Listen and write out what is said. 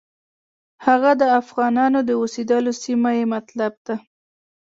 هغه د افغانانو د اوسېدلو سیمه یې مطلب ده.